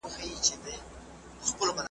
نیمه پټه په زړو څیري جامو کي ,